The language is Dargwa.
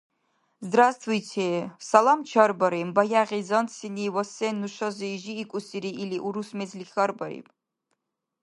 — Здравствуйте, — салам чарбариб баягъи зантсини ва сен нушази жиикӀусири или урус мезли хьарбаиб.